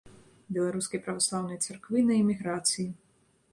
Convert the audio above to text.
Беларускай праваслаўнай царквы на эміграцыі.